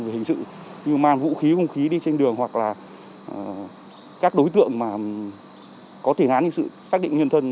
về hình sự như màn vũ khí vũ khí đi trên đường hoặc là các đối tượng mà có thể nán hình sự xác định nhân thân